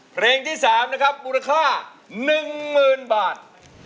เพลงที่๓นะครับมูลค่า๑๐๐๐บาท